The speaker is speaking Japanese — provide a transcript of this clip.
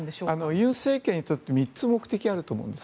尹政権にとって３つ目的があると思うんです。